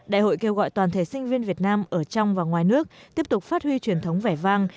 đại hội kêu gọi toàn thể sinh viên việt nam ở trong và ngoài nước tiếp tục phát huy truyền thống vẻ vang